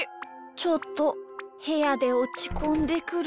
ちょっとへやでおちこんでくる。